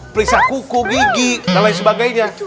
periksa kuku gigi dan lain sebagainya